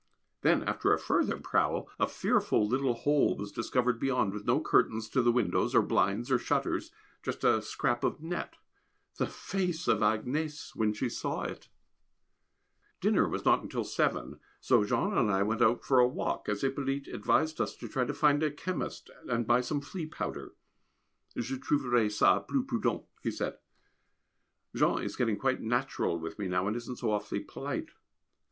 Then, after a further prowl, a fearful little hole was discovered beyond, with no curtains to the windows, or blinds, or shutters, just a scrap of net. The face of Agnès when she saw it! [Sidenote: A Necessary Precaution] Dinner was not until seven, so Jean and I went out for a walk; as Hippolyte advised us to try and find a chemist and buy some flea powder. "Je trouverai ça plus prudent," he said. Jean is getting quite natural with me now, and isn't so awfully polite.